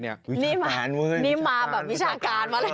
นี่มาแบบวิชาการมาเลย